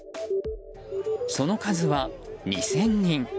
その数は２０００人。